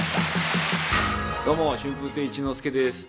どうも春風亭一之輔です。